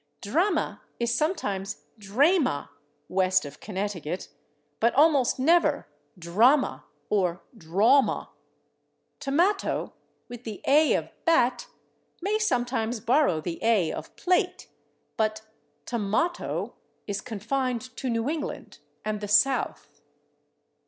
/Drama/ is sometimes /drayma/ west of Connecticut, but almost never /drahma/ or /drawma/. /Tomato/ with the /a/ of /bat/, may sometimes borrow the /a/ of /plate/, but /tomahto/ is confined to New England and the South.